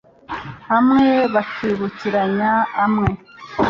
hamwe bakibukiranya amwe